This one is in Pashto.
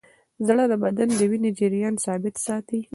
زړه د بدن د وینې جریان ثابت ساتي.